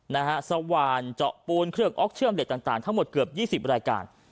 นะฮะสว่านเจาะปูนเครื่องออกเชื่อมเหล็กต่างต่างทั้งหมดเกือบยี่สิบรายการ